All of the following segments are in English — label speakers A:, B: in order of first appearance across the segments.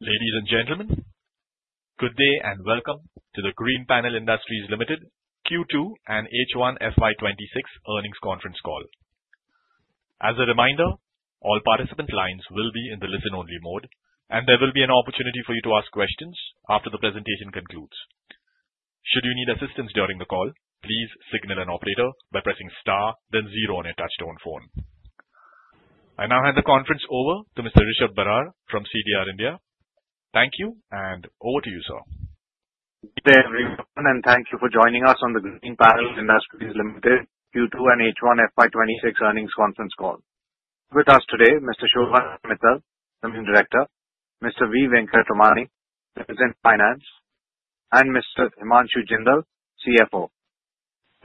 A: Ladies and gentlemen, good day and welcome to the Greenpanel Industries Limited Q2 and H1 FY 2026 Earnings Conference Call. As a reminder, all participant lines will be in the listen-only mode, and there will be an opportunity for you to ask questions after the presentation concludes. Should you need assistance during the call, please signal an operator by pressing star, then zero on your touch-tone phone. I now hand the conference over to Rishab Barar from CDR India. Thank you, and over to you, sir.
B: Good day, everyone, and thank you for joining us on the Greenpanel Industries Limited Q2 and H1 FY 2026 Earnings Conference Call. With us today, Mr. Shobhan Mittal, Managing Director and CEO, Yeah Mr. V. Venkatramani, Vice President, Finance, and Mr. Himanshu Jindal, CFO.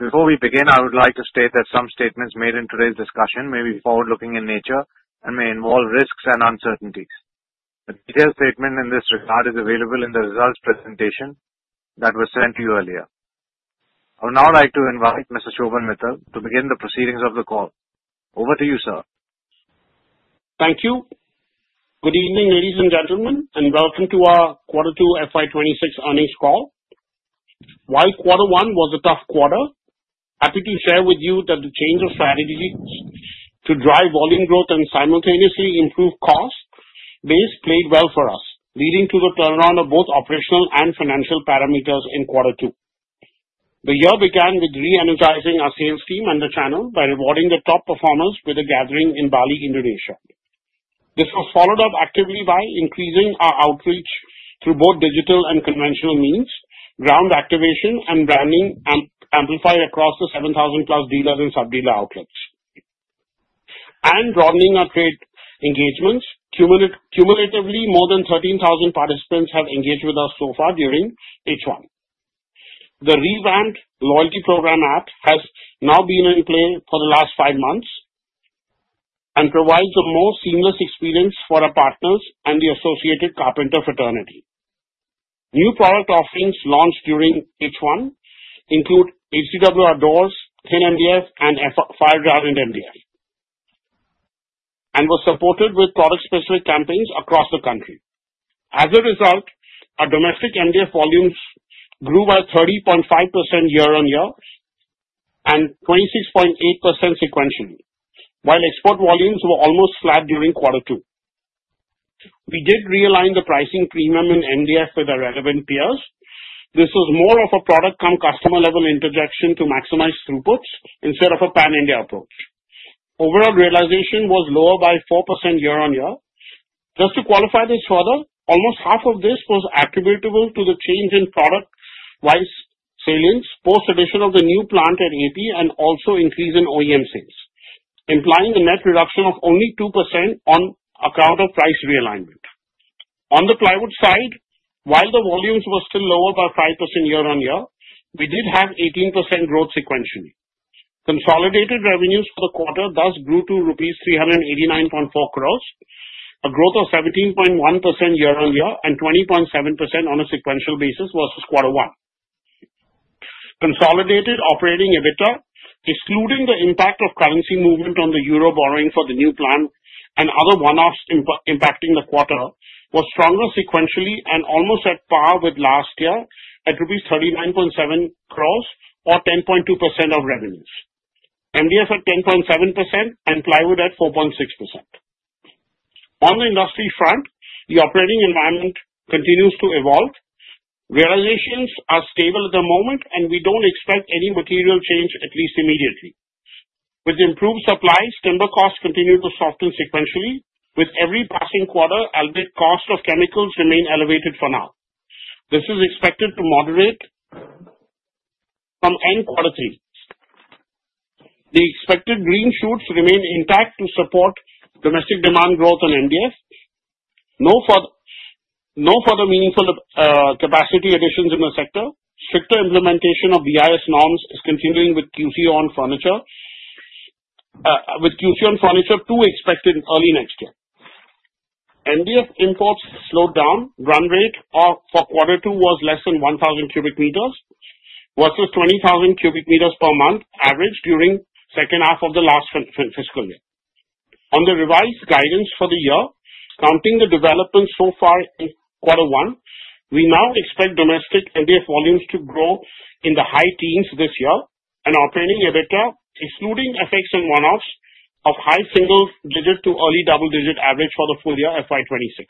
B: Before we begin, I would like to state that some statements made in today's discussion may be forward-looking in nature and may involve risks and uncertainties. A detailed statement in this regard is available in the results presentation that was sent to you earlier. I would now like to invite Mr. Shobhan Mittal to begin the proceedings of the call. Over to you, sir.
C: Thank you. Good evening, ladies and gentlemen, and welcome to our Q2 FY 2026 earnings call. While Q1 was a tough quarter, I'm happy to share with you that the change of strategy to drive volume growth and simultaneously improve cost base played well for us, leading to the turnaround of both operational and financial parameters in Q2. The year began with re-energizing our sales team and the channel by rewarding the top performers with a gathering in Bali, Indonesia. This was followed up actively by increasing our outreach through both digital and conventional means, ground activation, and branding amplified across the 7,000+ dealer and sub-dealer outlets, and broadening our trade engagements. Cumulatively, more than 13,000 participants have engaged with us so far during H1. The revamped Loyalty Program app has now been in play for the last five months and provides the most seamless experience for our partners and the associated carpenter fraternity. New product offerings launched during H1 include HDWR Outdoors, thin MDF, and fire-retardant MDF, and were supported with product-specific campaigns across the country. As a result, our domestic MDF volumes grew by 30.5% YoY and 26.8% sequentially, while export volumes were almost flat during Q2. We did realign the pricing premium in MDF with our relevant peers. This was more of a product-cum-customer level interjection to maximize throughputs instead of a pan-India approach. Overall realization was lower by 4% YoY. Just to qualify this further, almost half of this was attributable to the change in product-wise salience post-addition of the new plant at AP and also increase in OEM sales, implying a net reduction of only 2% on account of price realignment. On the plywood side, while the volumes were still lower by 5% YoY, we did have 18% growth sequentially. Consolidated revenues for the quarter thus grew to rupees 389.4 crores, a growth of 17.1% YoY and 20.7% on a sequential basis versus Q1. Consolidated operating EBITDA, excluding the impact of currency movement on the euro borrowing for the new plant and other one-offs impacting the quarter, was stronger sequentially and almost at par with last year at 39.7 crores rupees or 10.2% of revenues, MDF at 10.7% and plywood at 4.6%. On the industry front, the operating environment continues to evolve. Realizations are stable at the moment, and we don't expect any material change, at least immediately. With improved supplies, timber costs continue to soften sequentially. With every passing quarter, albeit cost of chemicals remain elevated for now. This is expected to moderate from end Q3. The expected green shoots remain intact to support domestic demand growth on MDF. No further meaningful capacity additions in the sector. Stricter implementation of BIS norms is continuing with QC on furniture, with QC on furniture too expected early next year. MDF imports slowed down. Run rate for Q2 was less than 1,000 cubic meters versus 20,000 cubic meters per month average during the second half of the last fiscal year. On the revised guidance for the year, counting the developments so far in Q1, we now expect domestic MDF volumes to grow in the high teens this year and operating EBITDA, excluding FX and one-offs, of high single-digit to early double-digit average for the full year FY 2026.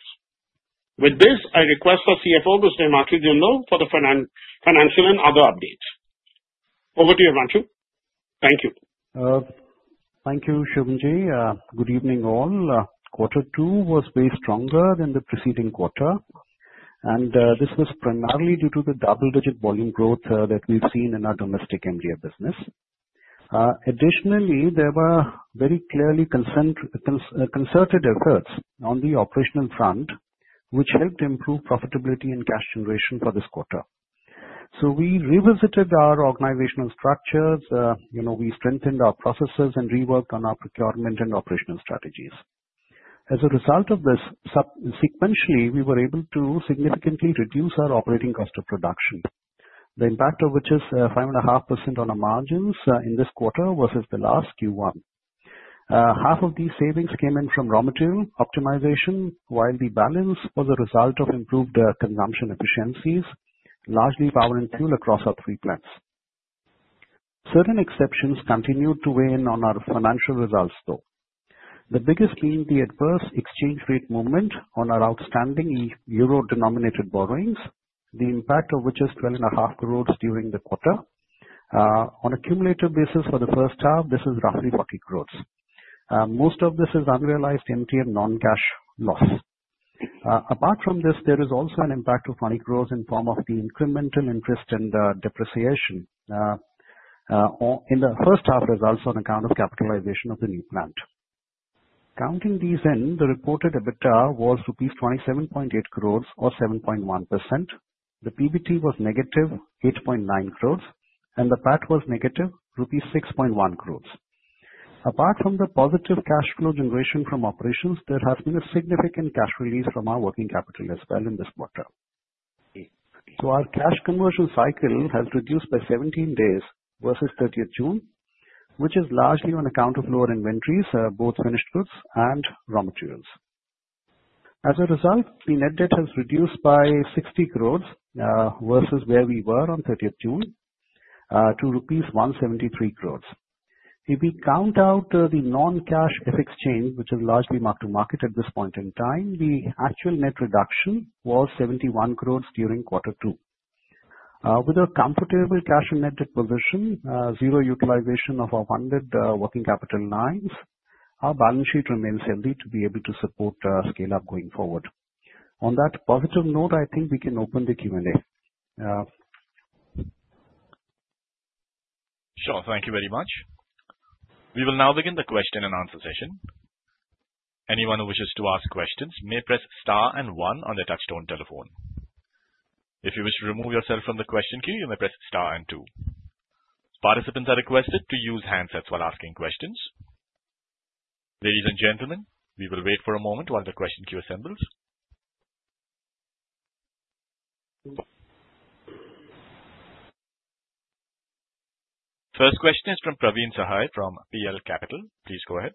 C: With this, I request the CFO, Mr. Himanshu Jindal, for the financial and other updates. Over to you, Himanshu. Thank you.
D: Thank you, Shobhanji. Good evening, all. Q2 was way stronger than the preceding quarter, and this was primarily due to the double-digit volume growth that we've seen in our domestic MDF business. Additionally, there were very clearly concerted efforts on the operational front, which helped improve profitability and cash generation for this quarter. So we revisited our organizational structures. We strengthened our processes and reworked on our procurement and operational strategies. As a result of this, sequentially, we were able to significantly reduce our operating cost of production, the impact of which is 5.5% on our margins in this quarter versus the last Q1. Half of these savings came in from raw material optimization, while the balance was a result of improved consumption efficiencies, largely power and fuel across our three plants. Certain exceptions continued to weigh in on our financial results, though. The biggest being the adverse exchange rate movement on our outstanding euro-denominated borrowings, the impact of which is 12.5 crores during the quarter. On a cumulative basis for the first half, this is roughly 40 crores. Most of this is unrealized MTM non-cash loss. Apart from this, there is also an impact of INR 20 crores in the form of the incremental interest and depreciation in the first half results on account of capitalization of the new plant. Counting these in, the reported EBITDA was rupees 27.8 crores or 7.1%. The PBT was negative 8.9 crores, and the PAT was negative rupees 6.1 crores. Apart from the positive cash flow generation from operations, there has been a significant cash release from our working capital as well in this quarter. So our cash conversion cycle has reduced by 17 days versus 30th June, which is largely on account of lower inventories, both finished goods and raw materials. As a result, the net debt has reduced by 60 crores versus where we were on 30th June, to rupees 173 crores. If we count out the non-cash FX change, which is largely marked to market at this point in time, the actual net reduction was 71 crores during Q2. With a comfortable cash and net debt position, zero utilization of our funded working capital lines, our balance sheet remains healthy to be able to support scale-up going forward. On that positive note, I think we can open the Q&A.
A: Sure. Thank you very much. We will now begin the question and answer session. Anyone who wishes to ask questions may press star and one on the touch-tone telephone. If you wish to remove yourself from the question queue, you may press star and two. Participants are requested to use handsets while asking questions. Ladies and gentlemen, we will wait for a moment while the question queue assembles. First question is from Praveen Sahay from PL Capital. Please go ahead.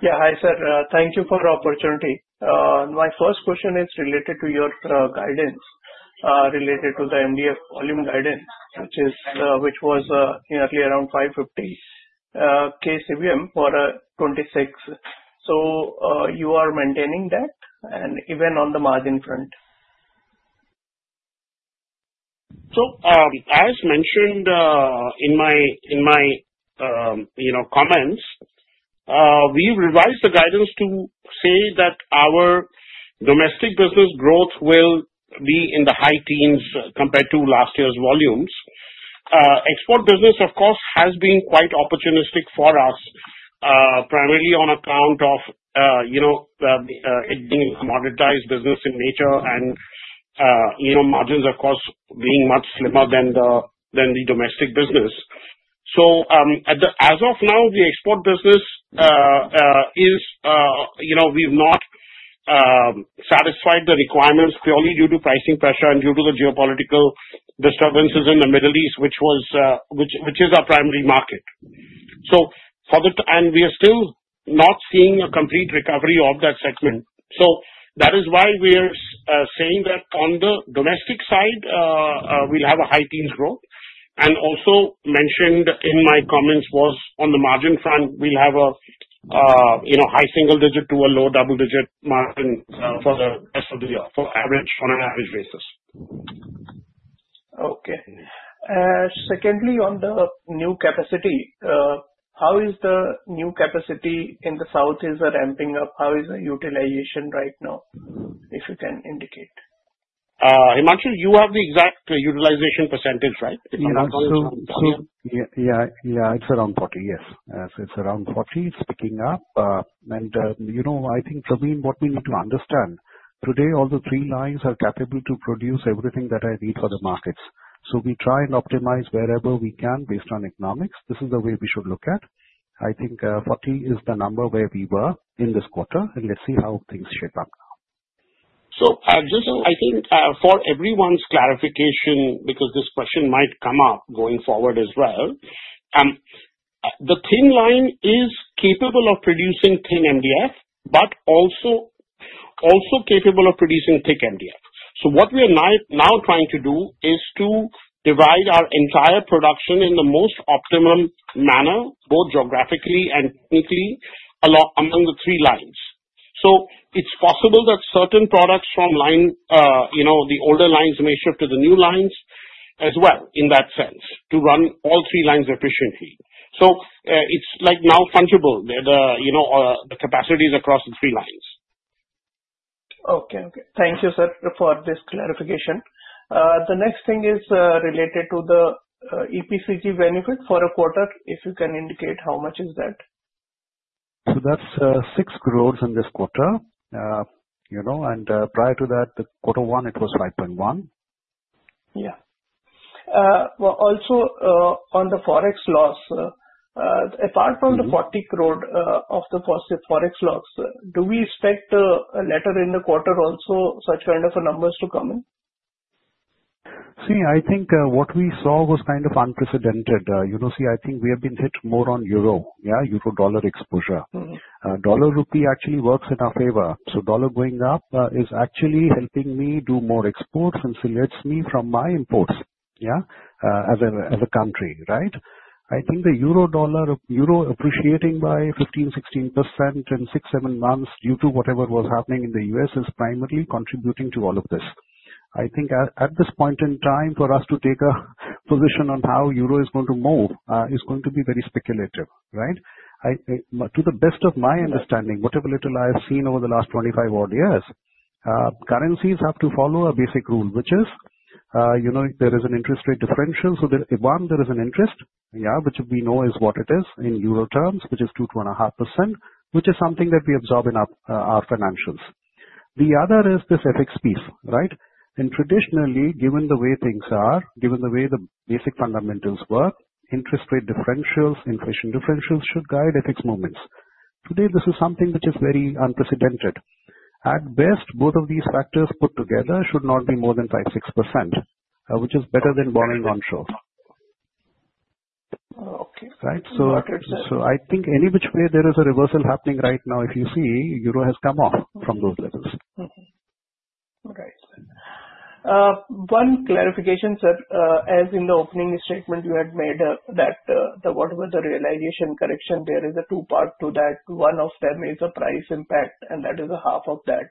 E: Yeah. Hi, sir. Thank you for the opportunity. My first question is related to your guidance related to the MDF volume guidance, which was nearly around 550 K CBM for 2026. So you are maintaining that, and even on the margin front?
C: As mentioned in my comments, we've revised the guidance to say that our domestic business growth will be in the high teens compared to last year's volumes. Export business, of course, has been quite opportunistic for us, primarily on account of it being a commoditized business in nature and margins, of course, being much slimmer than the domestic business. So as of now, the export business is. We've not satisfied the requirements purely due to pricing pressure and due to the geopolitical disturbances in the Middle East, which is our primary market. And we are still not seeing a complete recovery of that segment. So that is why we are saying that on the domestic side, we'll have a high teens growth. Also mentioned in my comments was on the margin front, we'll have a high single-digit to a low double-digit margin for the rest of the year on an average basis.
E: Okay. Secondly, on the new capacity, how is the new capacity in the south ramping up? How is the utilization right now, if you can indicate?
C: Himanshu, you have the exact utilization percentage, right?
D: It's around 40 speaking up and I think, Praveen, what we need to understand, today, all the three lines are capable to produce everything that I need for the markets. So we try and optimize wherever we can based on economics. This is the way we should look at. I think 40 is the number where we were in this quarter, and let's see how things shape up now.
C: I think for everyone's clarification, because this question might come up going forward as well, the thin line is capable of producing thin MDF but also capable of producing thick MDF. What we are now trying to do is to divide our entire production in the most optimum manner, both geographically and technically, among the three lines. It's possible that certain products from the older lines may shift to the new lines as well in that sense to run all three lines efficiently. It's now fungible. The capacity is across the three lines.
E: Okay. Thank you, sir, for this clarification. The next thing is related to the EPCG benefit for a quarter. If you can indicate how much is that?
D: So that's 6 crores in this quarter. And prior to that, the quarter one, it was 5.1.
E: Yeah. Well, also on the forex loss, apart from the 40 crore of the forex loss, do we expect a similar in the quarter also, such kind of numbers to come in?
D: See, I think what we saw was kind of unprecedented. See, I think we have been hit more on euro, yeah, euro dollar exposure. Dollar-rupee actually works in our favor. So dollar going up is actually helping me do more exports and protects me from my imports, yeah, as a country, right? I think the euro dollar euro appreciating by 15%-16% in six, seven months due to whatever was happening in the US is primarily contributing to all of this. I think at this point in time, for us to take a position on how euro is going to move is going to be very speculative, right? To the best of my understanding, whatever little I have seen over the last 25-odd years, currencies have to follow a basic rule, which is there is an interest rate differential. So one, there is an interest, yeah, which we know is what it is in euro terms, which is 2%-2.5%, which is something that we absorb in our financials. The other is this FX piece, right? And traditionally, given the way things are, given the way the basic fundamentals work, interest rate differentials, inflation differentials should guide FX movements. Today, this is something which is very unprecedented. At best, both of these factors put together should not be more than 5%-6%, which is better than borrowing onshore.
E: Okay.
F: Right? So I think any which way there is a reversal happening right now, if you see, Euro has come off from those levels.
E: Okay. All right. One clarification, sir, as in the opening statement you had made that whatever the realization correction, there is a two-part to that. One of them is a price impact, and that is a half of that.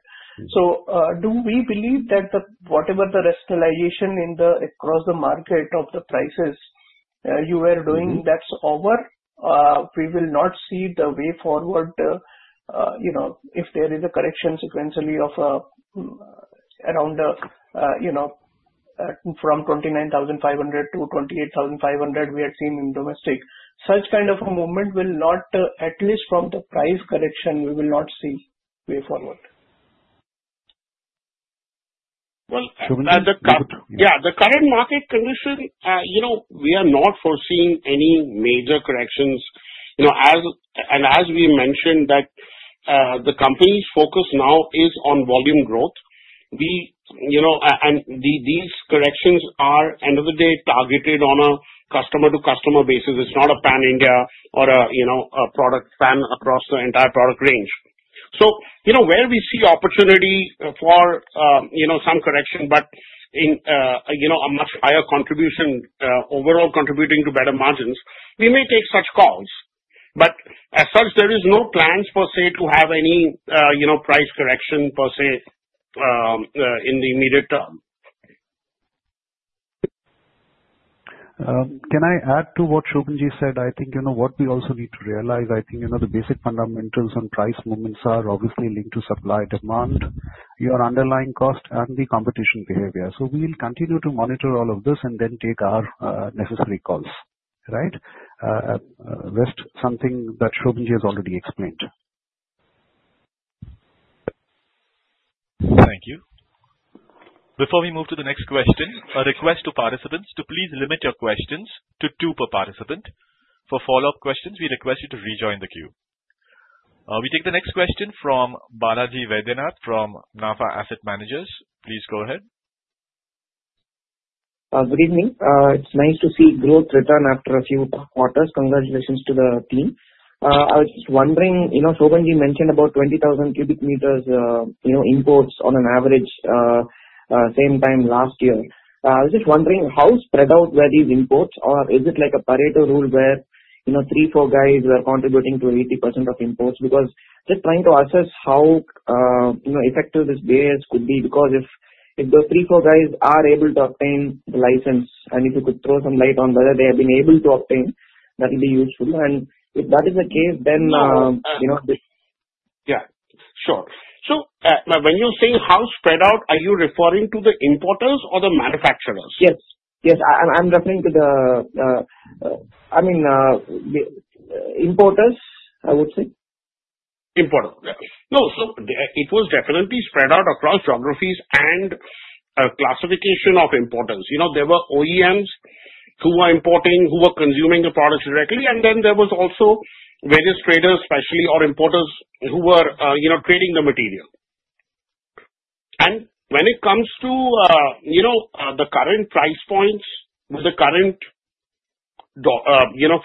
E: So do we believe that whatever the rationalization across the market of the prices you are doing, that's over? We will not see the way forward if there is a correction sequentially of around from 29,500 to 28,500 we had seen in domestic. Such kind of a movement will not, at least from the price correction, we will not see way forward.
C: Yeah, the current market condition, we are not foreseeing any major corrections. As we mentioned, the company's focus now is on volume growth. These corrections are, end of the day, targeted on a customer-to-customer basis. It's not a pan-India or a product pan across the entire product range. Where we see opportunity for some correction, but a much higher contribution, overall contributing to better margins, we may take such calls. As such, there is no plans per se to have any price correction per se in the immediate term.
D: Can I add to what Shobhan said? I think what we also need to realize, I think the basic fundamentals on price movements are obviously linked to supply demand, your underlying cost, and the competition behavior. So we'll continue to monitor all of this and then take our necessary calls, right, as something that Shobhan has already explained.
G: Thank you. Before we move to the next question, a request to participants to please limit your questions to two per participant. For follow-up questions, we request you to rejoin the queue. We take the next question from Balaji Vaidyanath from NAFA Asset Managers. Please go ahead.
H: Good evening. It's nice to see growth return after a few quarters. Congratulations to the team. I was just wondering, Shobhan mentioned about 20,000 cubic meters imports on an average same time last year. I was just wondering how spread out were these imports, or is it like a Pareto rule where three, four guys were contributing to 80% of imports? Because just trying to assess how effective this BIS could be, because if the three, four guys are able to obtain the license, and if you could throw some light on whether they have been able to obtain, that would be useful. And if that is the case, then.
C: Yeah. Sure. So when you say how spread out, are you referring to the importers or the manufacturers?
H: Yes. Yes. I'm referring to the, I mean, importers, I would say.
C: Importers. Yeah. No, so it was definitely spread out across geographies and classification of importers. There were OEMs who were importing, who were consuming the products directly. And then there was also various traders, especially or importers who were trading the material. And when it comes to the current price points with the current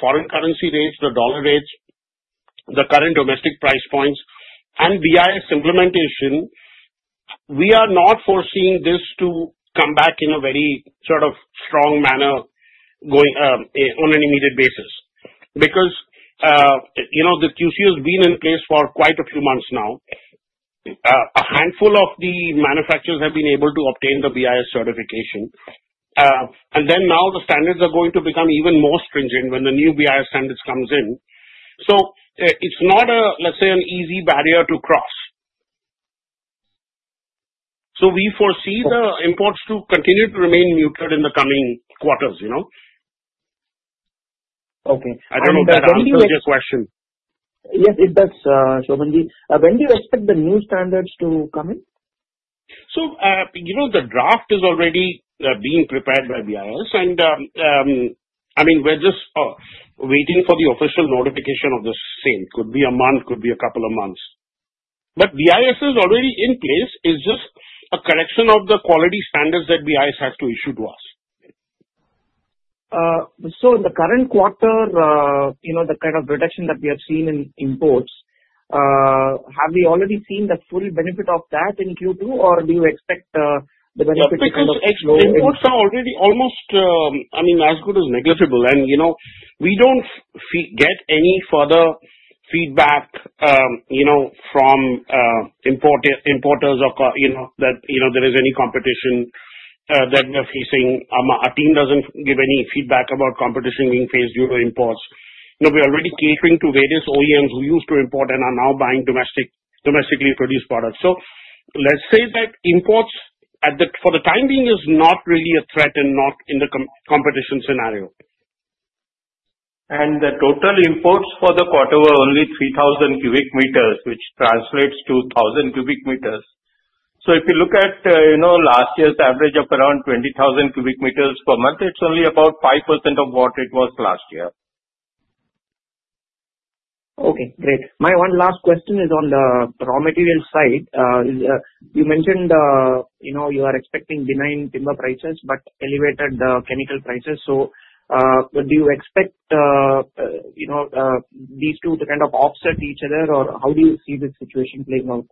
C: foreign currency rates, the dollar rates, the current domestic price points, and BIS implementation, we are not foreseeing this to come back in a very sort of strong manner on an immediate basis. Because the QC has been in place for quite a few months now. A handful of the manufacturers have been able to obtain the BIS certification. And then now the standards are going to become even more stringent when the new BIS standards come in. So it's not a, let's say, an easy barrier to cross. We foresee the imports to continue to remain muted in the coming quarters. I don't know if that answers your question.
H: Yes, it does, Shobhanji. When do you expect the new standards to come in?
C: So the draft is already being prepared by BIS. And I mean, we're just waiting for the official notification of the same. Could be a month, could be a couple of months. But BIS is already in place. It's just a correction of the quality standards that BIS has to issue to us.
H: So in the current quarter, the kind of reduction that we have seen in imports, have we already seen the full benefit of that in Q2, or do you expect the benefit to come?
C: The imports are already almost, I mean, as good as negligible. And we don't get any further feedback from importers that there is any competition that we are facing. Our team doesn't give any feedback about competition being faced due to imports. We're already catering to various OEMs who used to import and are now buying domestically produced products. So let's say that imports for the time being is not really a threat and not in the competition scenario.
F: And the total imports for the quarter were only 3,000 cubic meters, which translates to 1,000 cubic meters. So if you look at last year's average of around 20,000 cubic meters per month, it's only about 5% of what it was last year.
H: Okay. Great. My one last question is on the raw material side. You mentioned you are expecting benign timber prices but elevated chemical prices. So do you expect these two to kind of offset each other, or how do you see the situation playing out?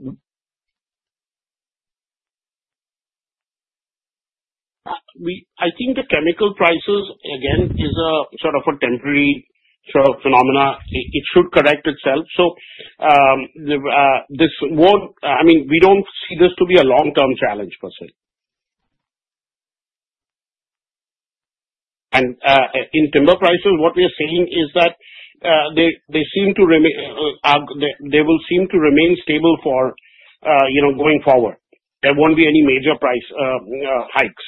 C: I think the chemical prices, again, is sort of a temporary phenomenon. It should correct itself, so this won't, I mean, we don't see this to be a long-term challenge per se, and in timber prices, what we are seeing is that they seem to remain stable going forward. There won't be any major price hikes.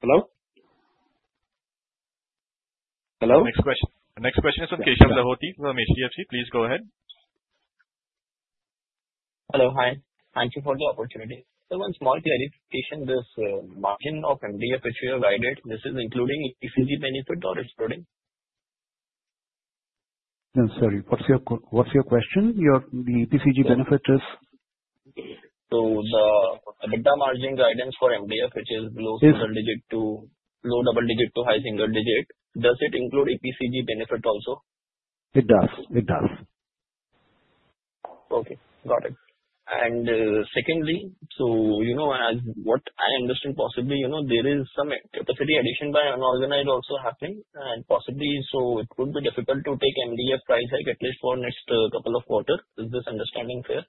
C: Hello? Hello?
A: Next question. Next question is from Keshav Lahoti from HDFC. Please go ahead.
I: Hello. Hi. Thank you for the opportunity. So one small clarification. This margin of MDF issue guided, this is including EPCG benefit or excluding?
D: I'm sorry. What's your question? The EPCG benefit is.
J: So the EBITDA margin guidance for MDF, which is below single digit to low double digit to high single digit, does it include EPCG benefit also?
D: It does. It does.
I: Okay. Got it. And secondly, so what I understand, possibly there is some capacity addition by unorganized also happening. And possibly, so it would be difficult to take MDF price hike at least for next couple of quarters. Is this understanding fair?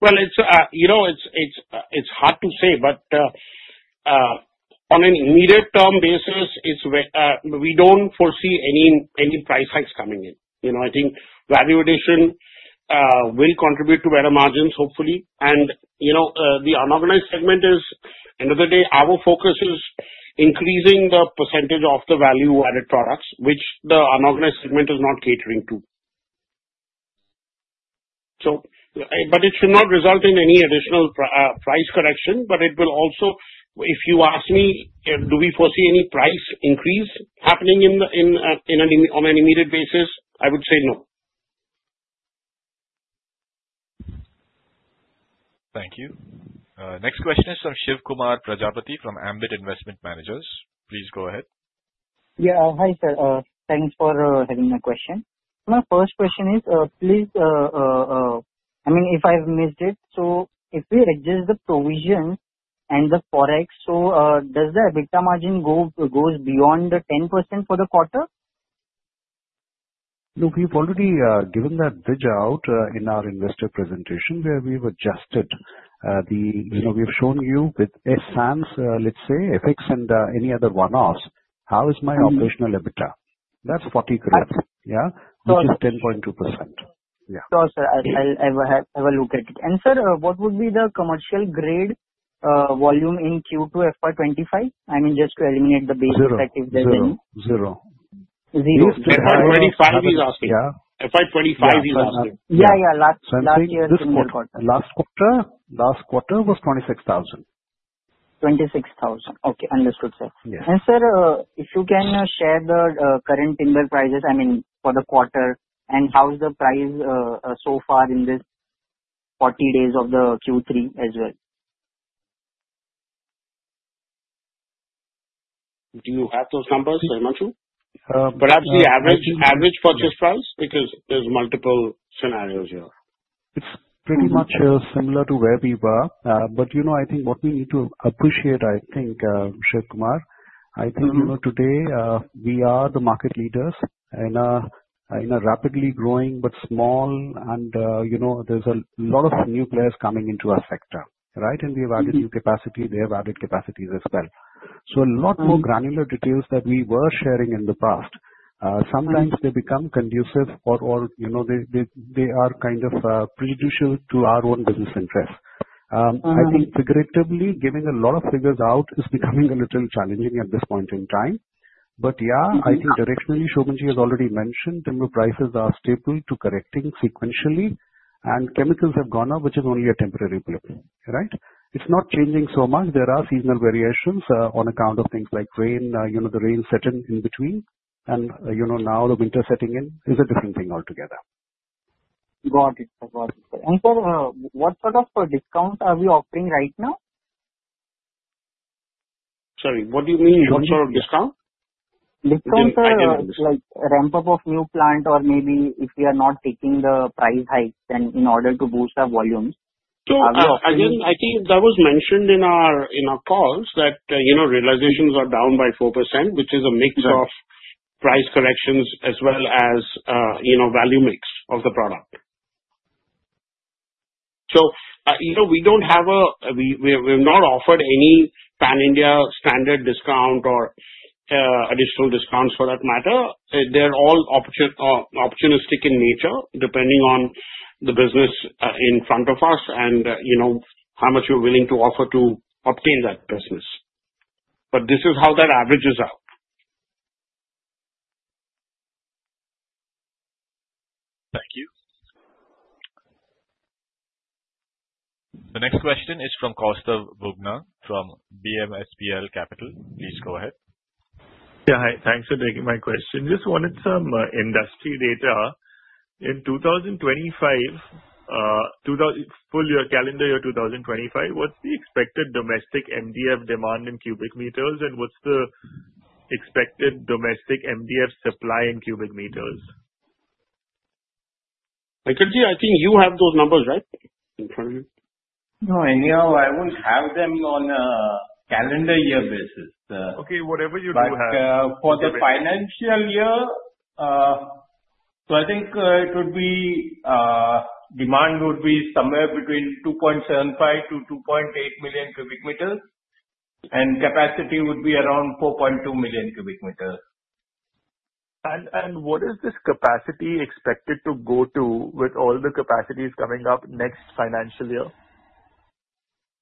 C: Well, it's hard to say, but on an immediate term basis, we don't foresee any price hikes coming in. I think value addition will contribute to better margins, hopefully. And the unorganized segment is, end of the day, our focus is increasing the percentage of the value-added products, which the unorganized segment is not catering to. But it should not result in any additional price correction. But it will also, if you ask me, do we foresee any price increase happening on an immediate basis? I would say no.
A: Thank you. Next question is from Shivkumar Prajapati from Ambit Investment Managers. Please go ahead.
K: Yeah. Hi, sir. Thanks for having my question. My first question is, please, I mean, if I've missed it, so if we adjust the provision and the forex, so does the EBITDA margin goes beyond the 10% for the quarter?
D: Look, we've already given that bridge out in our investor presentation where we've adjusted the, we've shown you with SSAMS, let's say, FX and any other one-offs, how is my operational EBITDA? That's 40 crores, yeah, which is 10.2%.
K: Sure, sir. I will look at it. And sir, what would be the commercial grade volume in Q2 FY25? I mean, just to eliminate the basis that if there's any. Yeah, yeah. Last year's quarter.
D: Last quarter was 26,000.
K: 26,000. Okay. Understood, sir. And sir, if you can share the current timber prices, I mean, for the quarter, and how's the price so far in this 40 days of the Q3 as well?
D: Do you have those numbers, Himanshu?
C: Perhaps the average purchase price because there's multiple scenarios here.
D: It's pretty much similar to where we were. But I think what we need to appreciate, I think, Shivkumar, I think today we are the market leaders in a rapidly growing but small, and there's a lot of new players coming into our sector, right? And we have added new capacity. They have added capacities as well. So a lot more granular details that we were sharing in the past, sometimes they become conducive or they are kind of prejudicial to our own business interests. I think figuratively giving a lot of figures out is becoming a little challenging at this point in time. But yeah, I think directionally, Shobhan has already mentioned timber prices are stable to correcting sequentially, and chemicals have gone up, which is only a temporary blip, right? It's not changing so much. There are seasonal variations on account of things like rain, the rain setting in between, and now the winter setting in is a different thing altogether.
K: Got it. Got it. And sir, what sort of discounts are we offering right now?
C: Sorry. What do you mean? What sort of discount?
K: Discounts like ramp-up of new plant or maybe if we are not taking the price hikes then in order to boost our volumes.
C: So again, I think that was mentioned in our calls that realizations are down by 4%, which is a mix of price corrections as well as value mix of the product. So we don't have. We've not offered any pan-India standard discount or additional discounts for that matter. They're all opportunistic in nature, depending on the business in front of us and how much you're willing to offer to obtain that business. But this is how that averages out.
A: Thank you. The next question is from Kaustav Bubna from BMSPL Capital. Please go ahead.
L: Yeah. Hi. Thanks for taking my question. Just wanted some industry data. In 2025, full year calendar year 2025, what's the expected domestic MDF demand in cubic meters, and what's the expected domestic MDF supply in cubic meters?
C: Venkatji, I think you have those numbers, right?
F: No, I will have them on a calendar year basis.
C: Okay. Whatever you do have.
M: For the financial year, I think demand would be somewhere between 2.75 million cubic meters-2.8 million cubic meters, and capacity would be around 4.2 million cubic meters.
L: What is this capacity expected to go to with all the capacities coming up next financial year?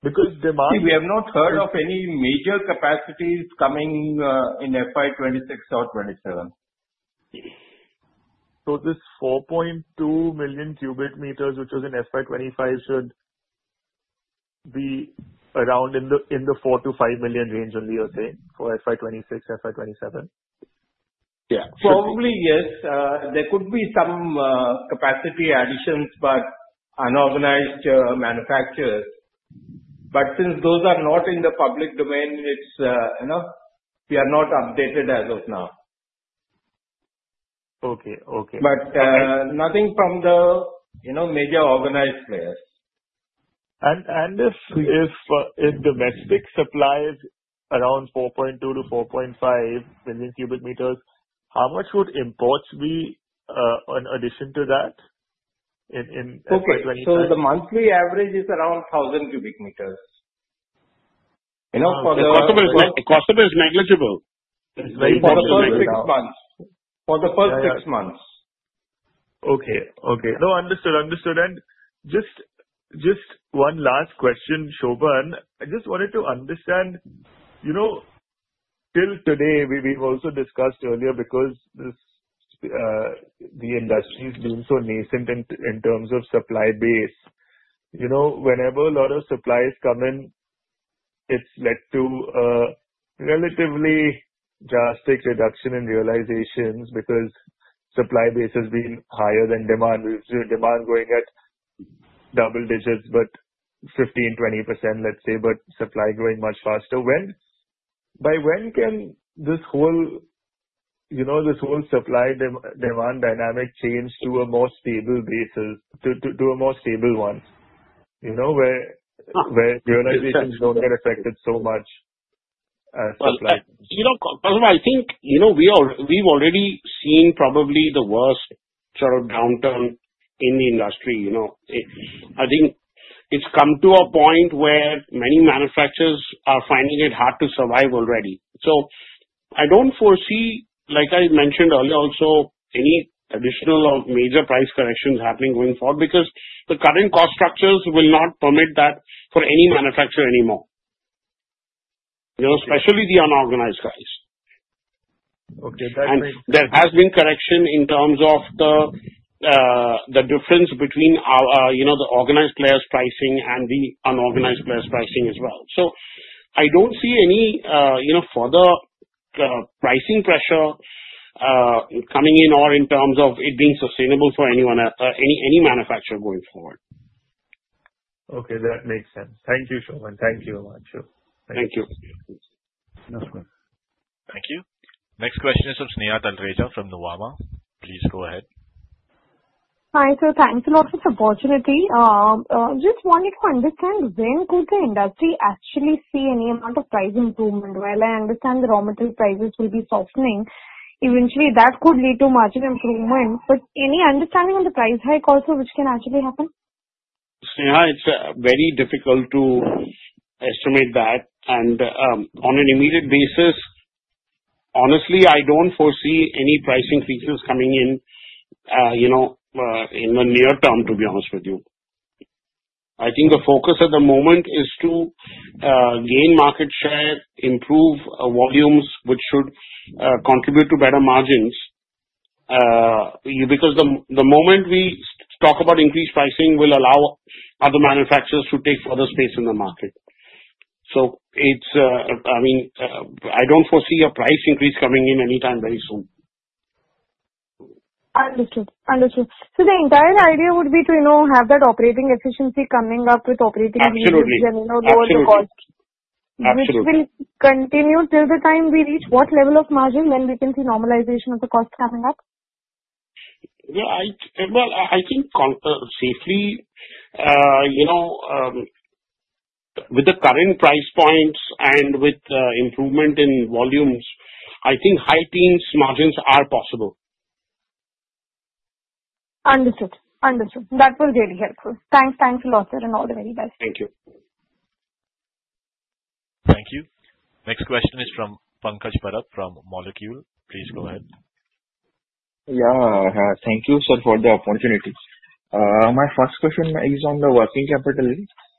L: Because demand.
M: See, we have not heard of any major capacities coming in FY 2026 or 2027.
L: So this 4.2 million cubic meters, which was in FY 2025, should be around in the 4 million-5 million range only, you're saying, for FY 2026, FY 2027?
M: Yeah. Probably yes. There could be some capacity additions by unorganized manufacturers. But since those are not in the public domain, we are not updated as of now. But nothing from the major organized players.
L: If domestic supply is around 4.2 million cubic meters-4.5 million cubic meters, how much would imports be in addition to that in FY 2025?
M: Okay. So the monthly average is around 1,000 cubic meters for the.
C: Is negligible.
M: It's very possible.
C: For the first six months.
M: For the first six months.
L: Okay. No, understood. Understood, and just one last question, Shobhan. I just wanted to understand till today. We've also discussed earlier because the industry has been so nascent in terms of supply base. Whenever a lot of supplies come in, it's led to a relatively drastic reduction in realizations because supply base has been higher than demand. We've seen demand going at double digits, but 15%-20%, let's say, but supply going much faster. By when can this whole supply demand dynamic change to a more stable basis, to a more stable one where realizations don't get affected so much as supply?
C: First of all, I think we've already seen probably the worst sort of downturn in the industry. I think it's come to a point where many manufacturers are finding it hard to survive already. So I don't foresee, like I mentioned earlier, also any additional or major price corrections happening going forward because the current cost structures will not permit that for any manufacturer anymore, especially the unorganized guys. And there has been correction in terms of the difference between the organized players' pricing and the unorganized players' pricing as well. So I don't see any further pricing pressure coming in or in terms of it being sustainable for any manufacturer going forward.
L: Okay. That makes sense. Thank you, Shobhan. Thank you a lot, sir.
C: Thank you.
A: Thank you. Next question is from Sneha Talreja from Nuvama. Please go ahead.
N: Hi, so thanks a lot for the opportunity. Just wanted to understand when could the industry actually see any amount of price improvement? While I understand the raw material prices will be softening, eventually that could lead to margin improvement. But any understanding on the price hike also, which can actually happen?
C: Sneha, it's very difficult to estimate that, and on an immediate basis, honestly, I don't foresee any price increases coming in in the near term, to be honest with you. I think the focus at the moment is to gain market share, improve volumes, which should contribute to better margins because the moment we talk about increased pricing will allow other manufacturers to take further space in the market, so I mean, I don't foresee a price increase coming in anytime very soon.
N: Understood. Understood. So the entire idea would be to have that operating efficiency coming up with operating leverage, lower the cost, which will continue till the time we reach what level of margin when we can see normalization of the cost coming up?
C: I think safely, with the current price points and with improvement in volumes, I think high-teens margins are possible.
N: Understood. Understood. That was very helpful. Thanks. Thanks a lot, sir, and all the very best.
C: Thank you.
A: Thank you. Next question is from Pankaj Parab from Molecule. Please go ahead.
O: Yeah. Thank you, sir, for the opportunity. My first question is on the working capital.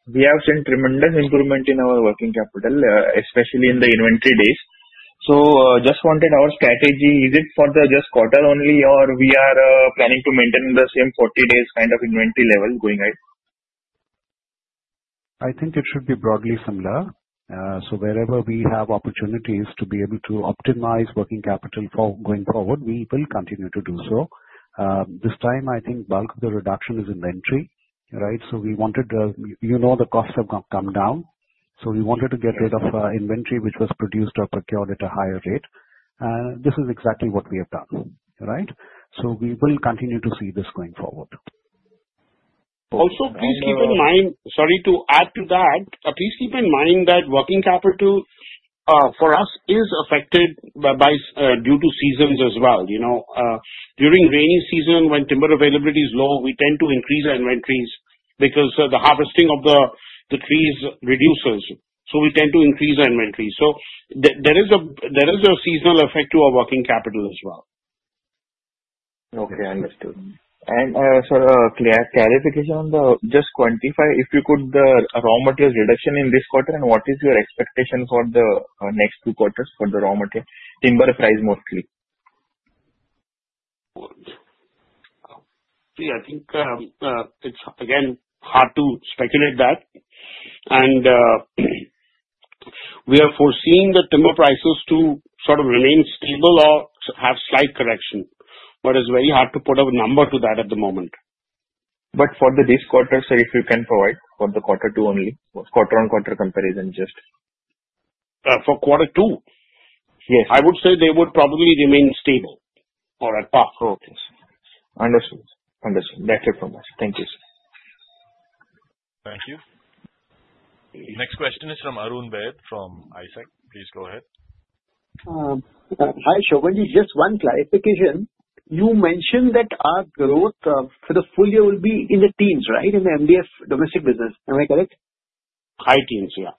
O: We have seen tremendous improvement in our working capital, especially in the inventory days. So just wanted our strategy, is it for the just quarter only, or we are planning to maintain the same 40 days kind of inventory level going ahead?
D: I think it should be broadly similar. So wherever we have opportunities to be able to optimize working capital for going forward, we will continue to do so. This time, I think bulk of the reduction is inventory, right? So we wanted the costs have come down. So we wanted to get rid of inventory, which was produced or procured at a higher rate. And this is exactly what we have done, right? So we will continue to see this going forward.
C: Also, please keep in mind, sorry, to add to that, please keep in mind that working capital for us is affected due to seasons as well. During rainy season, when timber availability is low, we tend to increase our inventories because the harvesting of the trees reduces. So we tend to increase our inventory. So there is a seasonal effect to our working capital as well.
O: Okay. Understood. And for clarification on the just quantify, if you could, the raw materials reduction in this quarter, and what is your expectation for the next two quarters for the raw material timber price mostly?
C: See, I think it's again hard to speculate that. And we are foreseeing the timber prices to sort of remain stable or have slight correction, but it's very hard to put a number to that at the moment.
O: But for this quarter, sir, if you can provide for the quarter two only, quarter-on-quarter comparison just.
C: For quarter two?
O: Yes.
C: I would say they would probably remain stable or at par.
O: Okay. Understood. Understood. That's it from us. Thank you, sir.
G: Thank you. Next question is from Arun Baid from ISEC. Please go ahead.
P: Hi, Shobhanji. Just one clarification. You mentioned that our growth for the full year will be in the teens, right, in the MDF domestic business. Am I correct?
C: Hi teens, yeah.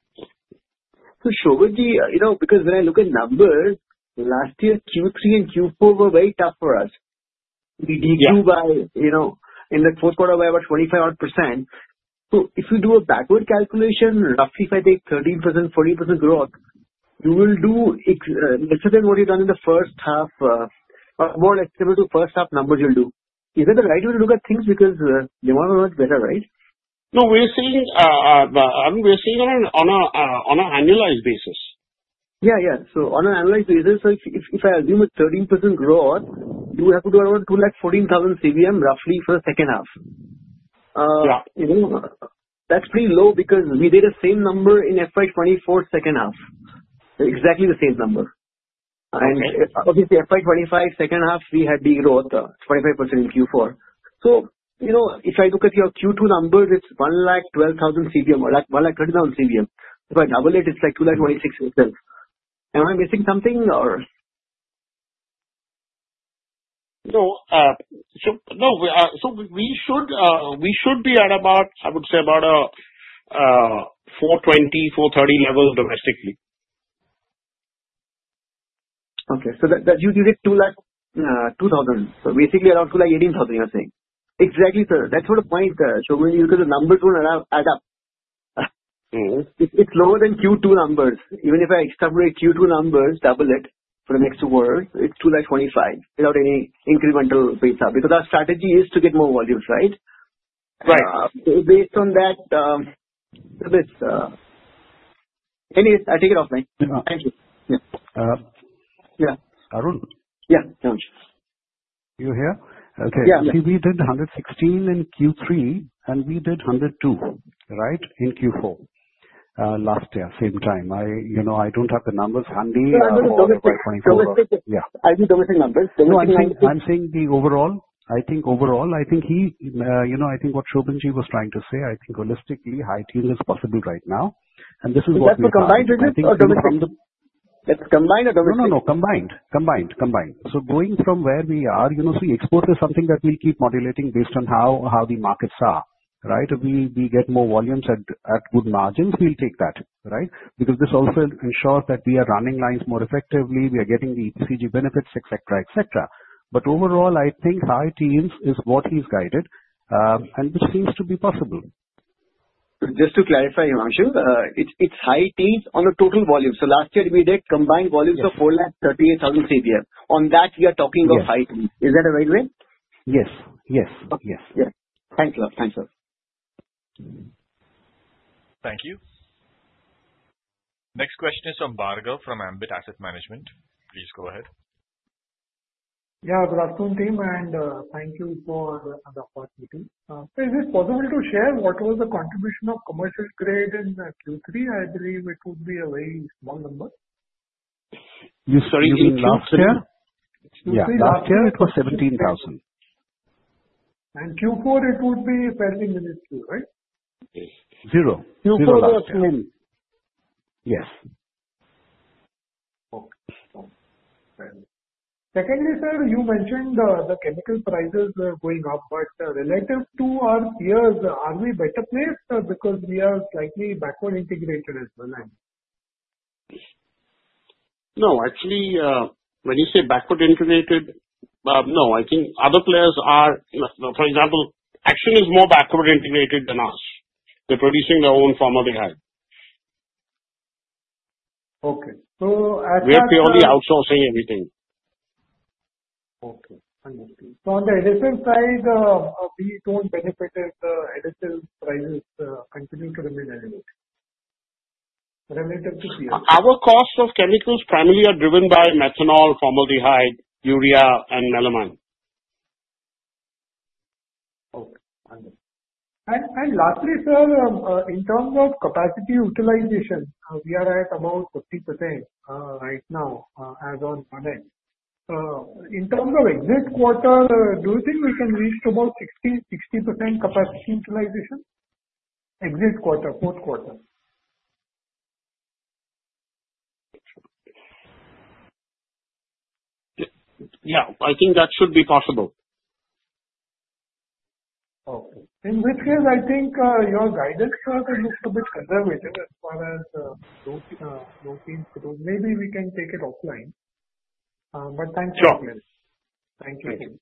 Q: Shobhanji, because when I look at numbers, last year, Q3 and Q4 were very tough for us. We decreased by in the fourth quarter, by about 25-odd%. So if you do a backward calculation, roughly if I take 13%, 14% growth, you will do lesser than what you've done in the first half or more less similar to first half numbers you'll do. Is that the right way to look at things because they want to know what's better, right?
C: No, we're seeing I mean, we're seeing it on an annualized basis.
Q: Yeah. Yeah. So on an annualized basis, so if I assume a 13% growth, you have to do around 214,000 CBM roughly for the second half. That's pretty low because we did the same number in FY 2024 second half, exactly the same number. And obviously, FY 2025 second half, we had the growth, 25% in Q4. So if I look at your Q2 numbers, it's 112,000 CBM, 130,000 CBM. If I double it, it's like 226,000. Am I missing something or?
C: No. So we should be at about, I would say, about a 420-430 level domestically.
Q: Okay. So you did 2,000. So basically around 218,000, you're saying? Exactly, sir. That's the point, Shobhanji, because the numbers won't add up. It's lower than Q2 numbers. Even if I extrapolate Q2 numbers, double it for the next two quarters, it's 225 without any incremental base up because our strategy is to get more volumes, right?
C: Right.
Q: Based on that, anyways, I take it offline. Thank you. Yeah.
D: Arun?
Q: Yeah.
D: Arun? You here?
Q: Yeah.
D: Okay. See, we did 116 in Q3, and we did 102, right, in Q4 last year, same time. I don't have the numbers. Himanshu and I'll talk about 24. I'm saying the overall. I think what Shobhanji was trying to say, I think holistically, high teens is possible right now. And this is what we're doing.
P: Is that for combined business or domestic, is it combined or domestic?
D: No, no, no. Combined. Combined. Combined. So going from where we are, see, export is something that we'll keep modulating based on how the markets are, right? If we get more volumes at good margins, we'll take that, right? Because this also ensures that we are running lines more effectively. We are getting the EPCG benefits, etc., etc. But overall, I think high teens is what he's guided, and which seems to be possible.
Q: Just to clarify, Himanshu, it's high teens on a total volume. So last year, we did combined volumes of 438,000 CBM. On that, we are talking of high teens. Is that a right way?
D: Yes. Yes. Yes.
Q: Yeah. Thanks, sir. Thanks, sir.
A: Thank you. Next question is from Bhargav from Ambit Asset Management. Please go ahead.
R: Yeah. Good afternoon, team. And thank you for the opportunity. Is it possible to share what was the contribution of commercial grade in Q3? I believe it would be a very small number.
D: Last year, it was 17,000.
R: Q4, it would be fairly miniscule, right?
D: Zero.
C: Q4 was nil.
D: Yes.
R: Okay. Secondly, sir, you mentioned the chemical prices are going up, but relative to our peers, are we better placed because we are slightly backward integrated as well?
C: No. Actually, when you say backward integrated, no, I think other players are, for example, Action is more backward integrated than us. They're producing their own laminates behind.
R: Okay. So at that.
C: We're purely outsourcing everything.
R: Okay. Understood. So on the MDF side, we don't benefit if the MDF prices continue to remain elevated relative to peers?
C: Our cost of chemicals primarily are driven by methanol, formaldehyde, urea, and melamine.
R: Okay. Understood. And lastly, sir, in terms of capacity utilization, we are at about 50% right now as of today. In terms of exit quarter, do you think we can reach about 60% capacity utilization? Exit quarter, fourth quarter?
C: Yeah. I think that should be possible.
R: Okay. In which case, I think your guidance looks a bit conservative as far as low teens growth. Maybe we can take it offline, but thanks for listening.
C: Sure. Thank you.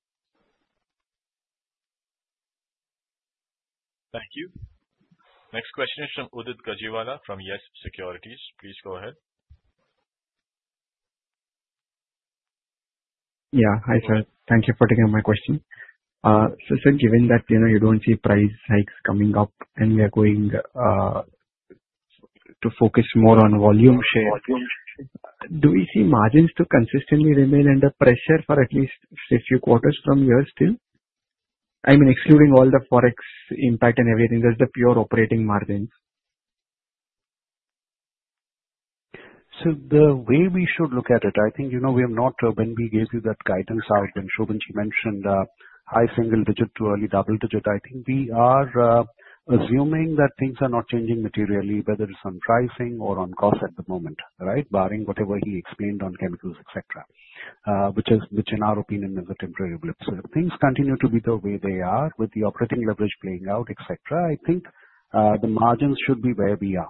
G: Thank you. Next question is from Udit Gajiwala from Yes Securities. Please go ahead.
S: Yeah. Hi, sir. Thank you for taking my question. So sir, given that you don't see price hikes coming up, and we are going to focus more on volume share, do we see margins to consistently remain under pressure for at least a few quarters from here still? I mean, excluding all the forex impact and everything, just the pure operating margins.
D: So the way we should look at it, I think we have not when we gave you that guidance out and Shobhanji mentioned high single digit to early double digit. I think we are assuming that things are not changing materially, whether it's on pricing or on cost at the moment, right, barring whatever he explained on chemicals, etc., which in our opinion is a temporary blip. So if things continue to be the way they are with the operating leverage playing out, etc., I think the margins should be where we are,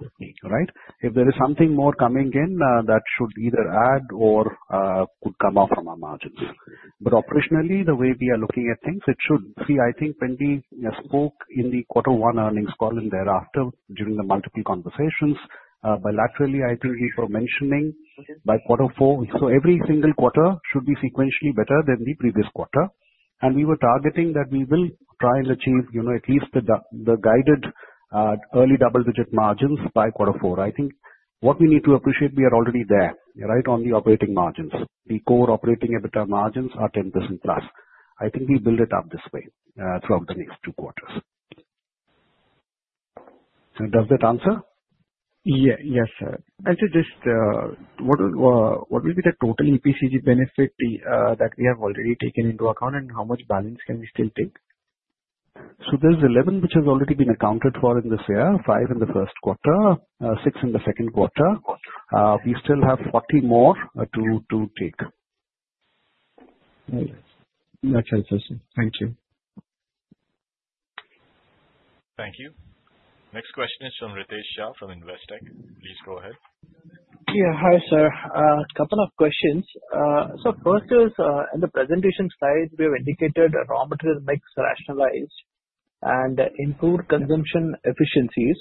D: right? If there is something more coming in, that should either add or could come out from our margins. But operationally, the way we are looking at things, it should. See, I think when we spoke in the quarter one earnings call and thereafter during the multiple conversations, bilaterally, I think we were mentioning by quarter four. So every single quarter should be sequentially better than the previous quarter. And we were targeting that we will try and achieve at least the guided early double digit margins by quarter four. I think what we need to appreciate, we are already there, right, on the operating margins. The core operating EBITDA margins are 10% plus. I think we build it up this way throughout the next two quarters. Does that answer?
S: Yeah. Yes, sir. Actually, just what will be the total EPCG benefit that we have already taken into account, and how much balance can we still take?
D: So there's 11, which has already been accounted for in this year, 5 in the first quarter, 6 in the second quarter. We still have 40 more to take.
S: Gotcha, sir. Thank you.
A: Thank you. Next question is from Ritesh Shah from Investec. Please go ahead.
T: Yeah. Hi, sir. A couple of questions. So first is in the presentation slides, we have indicated raw material mix rationalized and improved consumption efficiencies.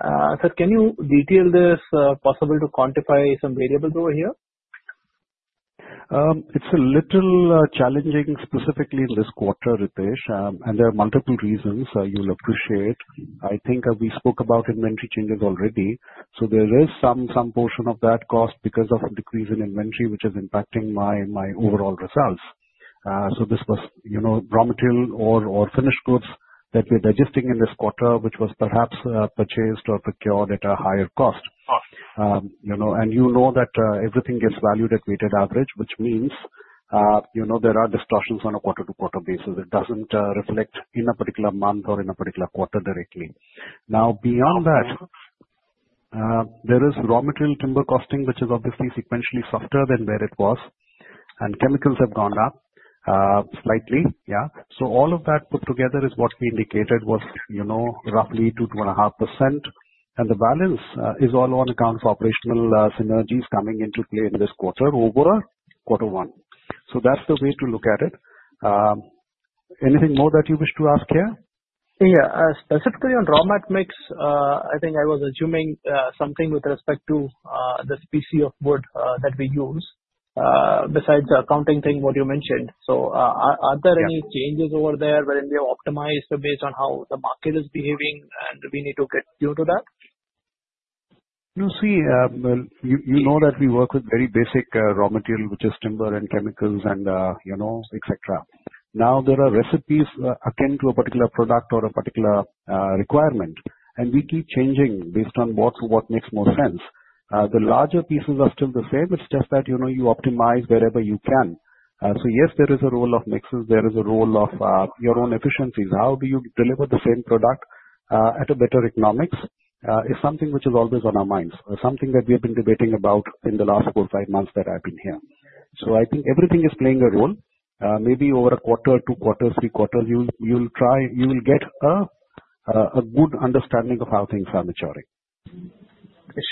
T: Sir, can you detail this? Possible to quantify some variables over here?
D: It's a little challenging specifically in this quarter, Ritesh, and there are multiple reasons you'll appreciate. I think we spoke about inventory changes already. So there is some portion of that cost because of decrease in inventory, which is impacting my overall results. So this was raw material or finished goods that we're digesting in this quarter, which was perhaps purchased or procured at a higher cost. And you know that everything gets valued at weighted average, which means there are distortions on a quarter-to-quarter basis. It doesn't reflect in a particular month or in a particular quarter directly. Now, beyond that, there is raw material timber costing, which is obviously sequentially softer than where it was. And chemicals have gone up slightly, yeah. So all of that put together is what we indicated was roughly 2-2.5%. And the balance is all on account of operational synergies coming into play in this quarter over quarter one. So that's the way to look at it. Anything more that you wish to ask here?
T: Yeah. Specifically on raw material mix, I think I was assuming something with respect to the species of wood that we use. Besides the accounting thing, what you mentioned. So are there any changes over there wherein we have optimized based on how the market is behaving, and we need to get due to that?
D: No. See, you know that we work with very basic raw material, which is timber and chemicals and etc. Now, there are recipes akin to a particular product or a particular requirement, and we keep changing based on what makes more sense. The larger pieces are still the same. It's just that you optimize wherever you can. So yes, there is a role of mixes. There is a role of your own efficiencies. How do you deliver the same product at a better economics is something which is always on our minds. Something that we have been debating about in the last four, five months that I've been here. So I think everything is playing a role. Maybe over a quarter, two quarters, three quarters, you'll get a good understanding of how things are maturing.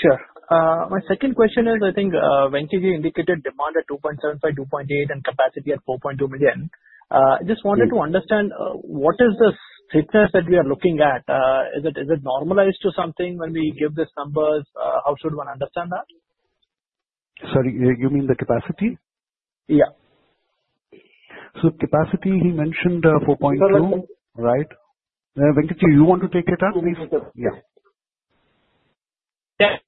T: Sure. My second question is, I think Venkat ji indicated demand at 2.75, 2.8, and capacity at 4.2 million. I just wanted to understand what is the thickness that we are looking at? Is it normalized to something when we give these numbers? How should one understand that?
D: Sorry, you mean the capacity?
T: Yeah.
C: So capacity, he mentioned 4.2, right? Venkatji, you want to take it up?
F: Yeah. Normally on the 17 basis, which is the larger thickness.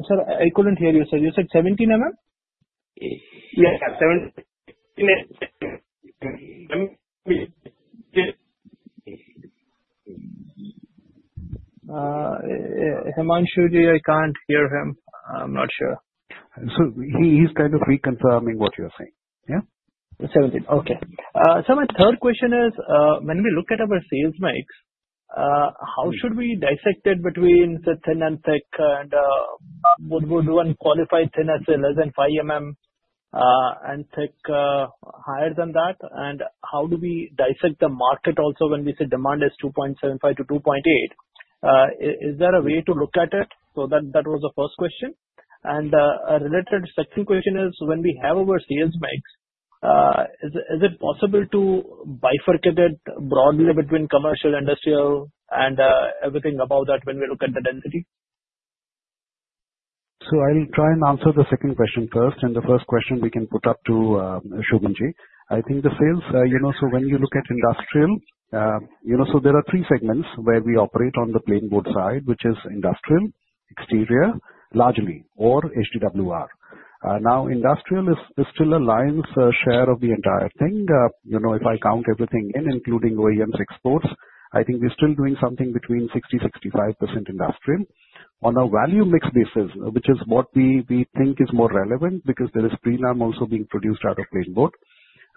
T: Sir, I couldn't hear you, sir. You said 17?
F: Yes, sir. 17
T: Himanshu-ji, I can't hear him. I'm not sure.
D: So he's trying to reconfirm what you're saying. Yeah?
T: 17. Okay. So my third question is, when we look at our sales mix, how should we dissect it between the thin and thick, and would one qualify thin as less than 5 and thick higher than that? And how do we dissect the market also when we say demand is 2.75-2.8? Is there a way to look at it? So that was the first question. And a related second question is, when we have our sales mix, is it possible to bifurcate it broadly between commercial, industrial, and everything above that when we look at the density?
D: So I'll try and answer the second question first. And the first question we can put up to Shobhanji. I think the sales, so when you look at industrial, so there are three segments where we operate on the plain wood side, which is industrial, exterior, largely, or HDWR. Now, industrial is still a lion's share of the entire thing. If I count everything in, including OEMs exports, I think we're still doing something between 60%-65% industrial. On a value mix basis, which is what we think is more relevant because there is pre-lam also being produced out of plain wood.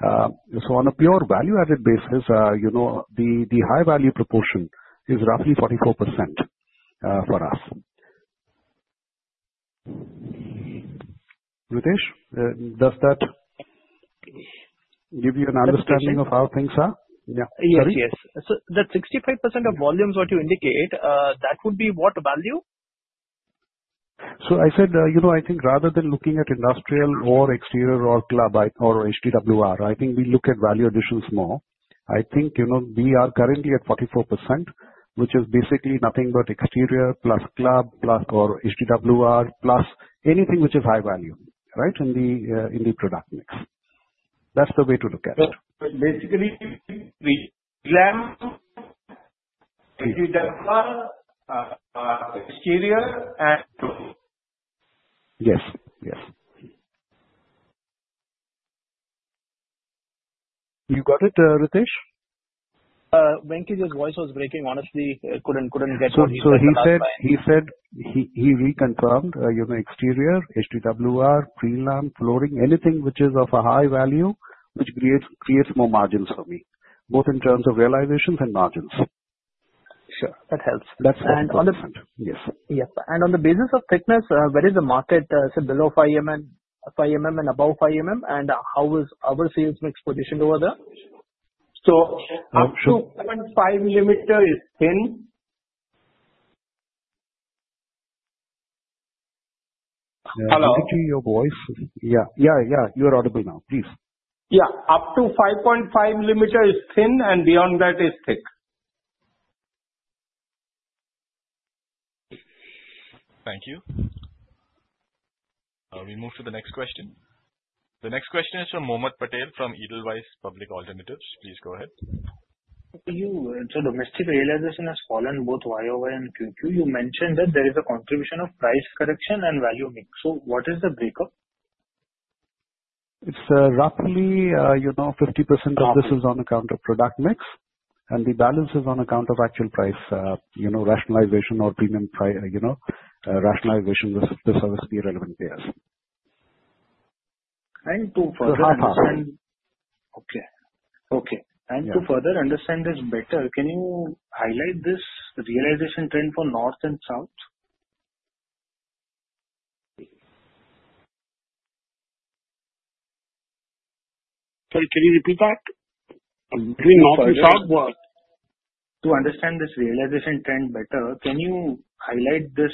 D: So on a pure value-added basis, the high-value proportion is roughly 44% for us. Ritesh, does that give you an understanding of how things are?
T: Yes. So that 65% of volume is what you indicate. That would be what value?
D: So I said, I think rather than looking at industrial or exterior or club or HDWR, I think we look at value additions more. I think we are currently at 44%, which is basically nothing but exterior plus club plus or HDWR plus anything which is high value, right, in the product mix. That's the way to look at it.
T: Basically, pre-lam, HDWR, exterior, and.
F: Yes. Yes. You got it, Ritesh?
T: Venkatramani's voice was breaking. Honestly, I couldn't get what he said.
D: He said he reconfirmed exterior, HDWR, pre-lam, flooring, anything which is of a high value, which creates more margins for me, both in terms of realizations and margins.
T: Sure. That helps.
F: That's 100%. Yes.
T: Yes. And on the basis of thickness, where is the market? Is it below five and above five? And how is our sales mix positioned over there?
F: Up to five is thin.
T: I can hear your voice. Yeah. Yeah. Yeah. You are audible now. Please.
F: Yeah. Up to 5.5 is thin, and beyond that is thick.
A: Thank you. We move to the next question. The next question is from Mohammed Patel from Edelweiss Public Alternatives. Please go ahead.
U: So domestic realization has fallen both YoY and QoQ. You mentioned that there is a contribution of price correction and value mix. So what is the breakup?
D: It's roughly 50% of this is on account of product mix, and the balance is on account of actual price rationalization or premium rationalization with the super-premium relevant players.
U: To further understand this better, can you highlight this realization trend for north and south?
C: Can you repeat that? Between north and south?
U: To understand this realization trend better, can you highlight this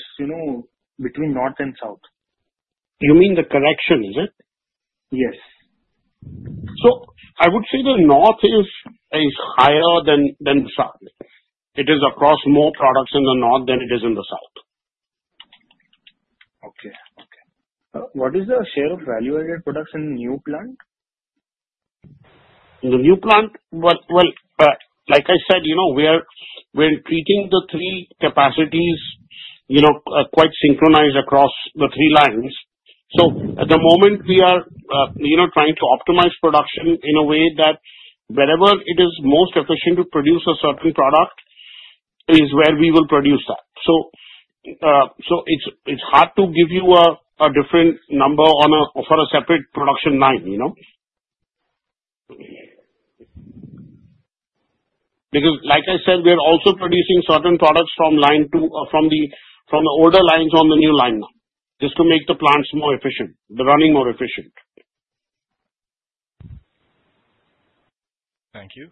U: between North and South?
C: You mean the correction, is it?
U: Yes.
C: So I would say the north is higher than the south. It is across more products in the north than it is in the south.
U: What is the share of value-added products in new plant?
C: The new plant? Well, like I said, we're treating the three capacities quite synchronized across the three lines. So at the moment, we are trying to optimize production in a way that wherever it is most efficient to produce a certain product is where we will produce that. So it's hard to give you a different number for a separate production line because, like I said, we are also producing certain products from the older lines on the new line now just to make the plants more efficient, the running more efficient.
A: Thank you.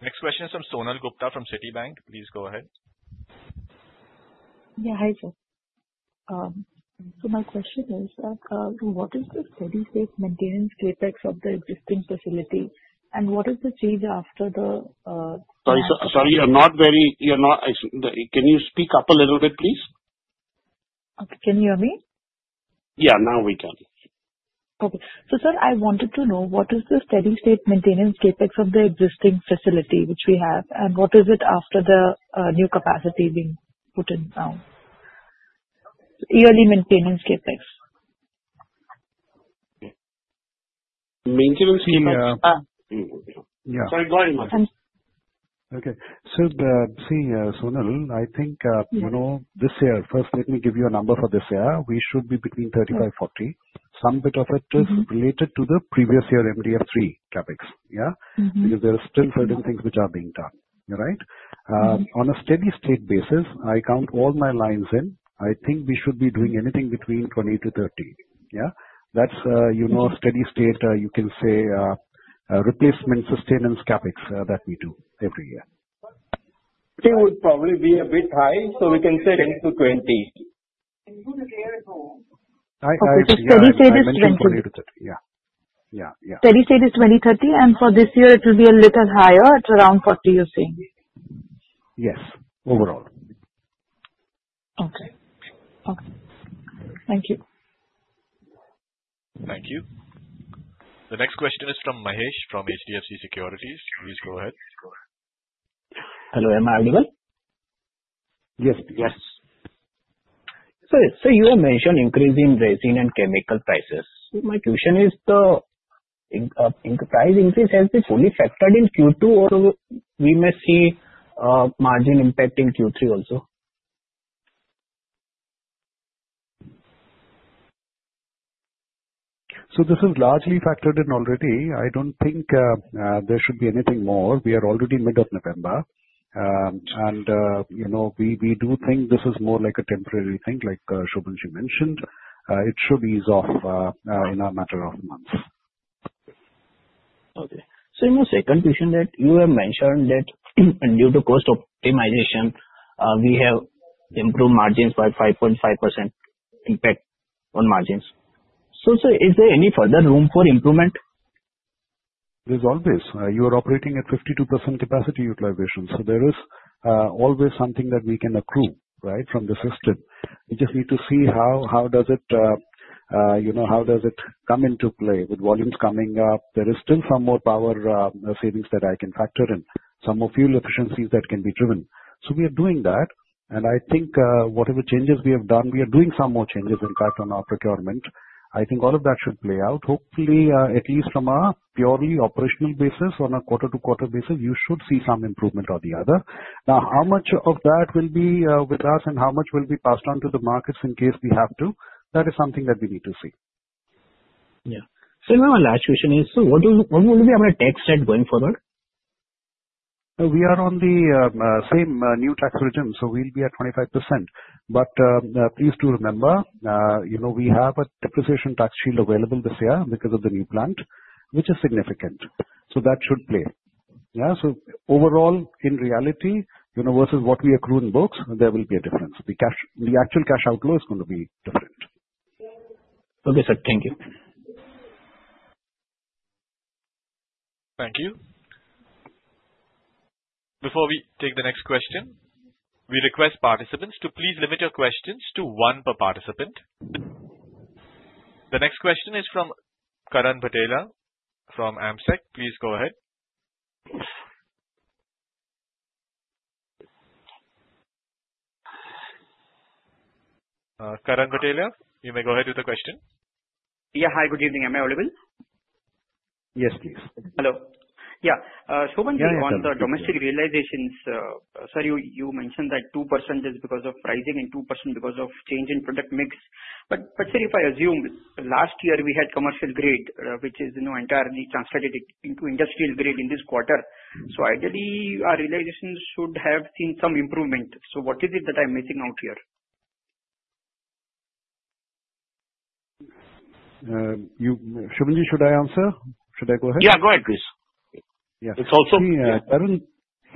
A: Next question is from Sonal Gupta from Citibank. Please go ahead.
V: Yeah. Hi, sir. So my question is, what is the steady-state maintenance CapEx of the existing facility, and what is the change after the?
D: Sorry. Sorry. Can you speak up a little bit, please?
V: Can you hear me?
D: Yeah. Now we can.
V: Okay. So, sir, I wanted to know what is the steady-state maintenance CapEx of the existing facility which we have, and what is it after the new capacity being put in now? Yearly maintenance CapEx.
D: Okay. See, Sonal, I think this year, first, let me give you a number for this year. We should be between 35-40. Some bit of it is related to the previous year MDF's CapEx, yeah, because there are still certain things which are being done, right? On a steady-state basis, I count all my lines in. I think we should be doing anything between 20-30. Yeah? That's a steady-state, you can say, replacement sustenance CapEx that we do every year.
C: It would probably be a bit high, so we can say 10 to 20.
V: Steady-state is 20-30. For this year, it will be a little higher at around 40, you're saying?
D: Yes. Overall.
V: Okay. Okay. Thank you.
A: Thank you. The next question is from Mahesh from HDFC Securities. Please go ahead.
W: Hello. Am I audible?
D: Yes.
W: Yes. So you have mentioned increasing resin and chemical prices. My question is, the price increase, has it fully factored in Q2, or we may see margin impact in Q3 also?
D: This is largely factored in already. I don't think there should be anything more. We are already mid of November, and we do think this is more like a temporary thing, like Shobhanji mentioned. It should ease off in a matter of months.
W: Okay. So my second question that you have mentioned that due to cost optimization, we have improved margins by 5.5% impact on margins. So is there any further room for improvement?
D: There's always. You are operating at 52% capacity utilization. So there is always something that we can accrue, right, from the system. We just need to see how does it, how does it come into play with volumes coming up? There is still some more power savings that I can factor in, some more fuel efficiencies that can be driven. So we are doing that. And I think whatever changes we have done, we are doing some more changes, in fact, on our procurement. I think all of that should play out. Hopefully, at least from a purely operational basis, on a quarter-to-quarter basis, you should see some improvement or the other. Now, how much of that will be with us and how much will be passed on to the markets in case we have to, that is something that we need to see.
W: Yeah. So my last question is, so what will be our tax rate going forward?
D: We are on the same new tax regime. So we'll be at 25%. But please do remember, we have a depreciation tax shield available this year because of the new plant, which is significant. So that should play. Yeah? So overall, in reality, versus what we accrue in books, there will be a difference. The actual cash outflow is going to be different.
W: Okay, sir. Thank you.
A: Thank you. Before we take the next question, we request participants to please limit your questions to one per participant. The next question is from Karan Bhatelia from AMSEC. Please go ahead. Karan Bhatelia, you may go ahead with the question.
X: Yeah. Hi. Good evening. Am I audible?
C: Yes, please.
X: Hello. Yeah. Shobhanji, on the domestic realizations, sir, you mentioned that 2% is because of pricing and 2% because of change in product mix, but sir, if I assume last year we had commercial grade, which is entirely translated into industrial grade in this quarter, so ideally, our realizations should have seen some improvement, so what is it that I'm missing out here?
D: Shobhanji, should I answer? Should I go ahead?
C: Yeah. Go ahead, please.
D: Yeah. It's also.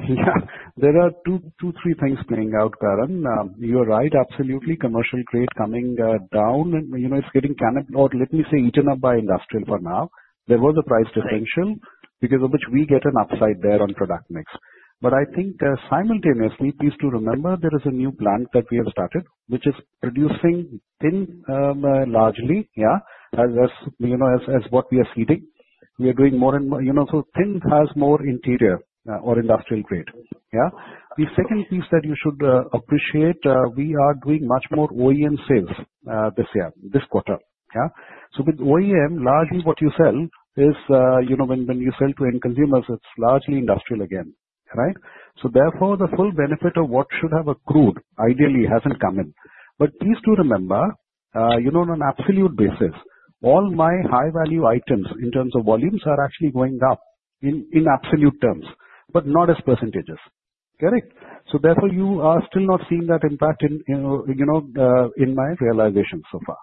D: Yeah. There are two, three things playing out, Karan. You are right. Absolutely. Commercial grade coming down, and it's getting cannibal—or let me say eaten up by industrial for now. There was a price differential because of which we get an upside there on product mix. But I think simultaneously, please do remember, there is a new plant that we have started, which is producing thin largely, yeah, as what we are seeding. We are doing more and so thin has more interior or industrial grade. Yeah? The second piece that you should appreciate, we are doing much more OEM sales this year, this quarter. Yeah? So with OEM, largely what you sell is when you sell to end consumers, it's largely industrial again, right? So therefore, the full benefit of what should have accrued ideally hasn't come in. But please do remember, on an absolute basis, all my high-value items in terms of volumes are actually going up in absolute terms, but not as percentages. Correct? So therefore, you are still not seeing that impact in my realizations so far.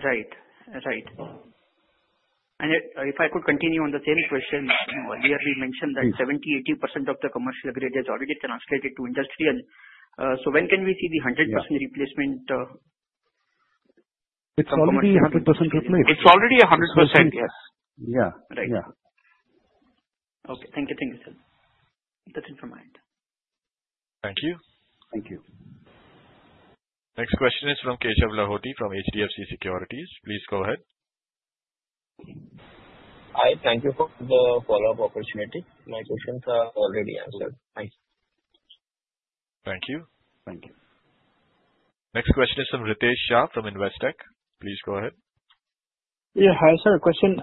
X: Right. Right. And if I could continue on the same question, earlier you mentioned that 70%-80% of the commercial grade is already translated to industrial. So when can we see the 100% replacement? It's already 100% replaced.
D: It's already 100%. Yes.
X: Right. Yeah. Okay. Thank you. Thank you, sir. That's it from my end.
A: Thank you. Next question is from Keshav Lahoti from HDFC Securities. Please go ahead.
I: Hi. Thank you for the follow-up opportunity. My questions are already answered. Thanks.
A: Thank you.
I: Thank you.
A: Next question is from Ritesh Shah from Investec. Please go ahead.
T: Yeah. Hi, sir. Question.